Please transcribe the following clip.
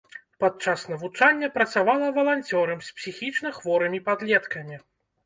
Падчас навучання працавала валанцёрам з псіхічна хворымі падлеткамі.